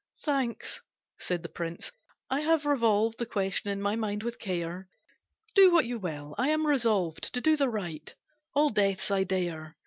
"Thanks," said the prince, "I have revolved The question in my mind with care, Do what you will, I am resolved, To do the right, all deaths I dare.